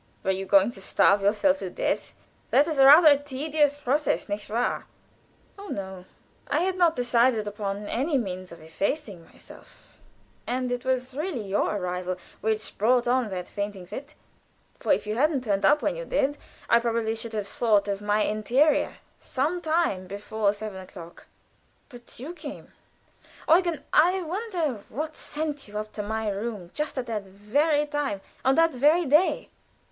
"Were you going to starve yourself to death? That is rather a tedious process, nicht wahr?" "Oh, no! I had not decided upon any means of effacing myself; and it was really your arrival which brought on that fainting fit, for if you hadn't turned up when you did I should probably have thought of my interior some time before seven o'clock. But you came. Eugen, I wonder what sent you up to my room just at that very time, on that very day!"